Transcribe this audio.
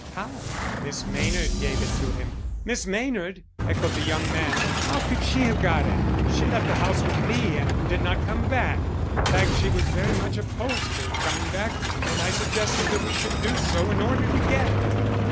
"How?" "Miss Maynard gave it to him." "Miss Maynard!" echoed the young man. "How could she have got it? She left the house with me and did not come back. In fact, she was very much opposed to coming back when I suggested that we should do so in order to get it."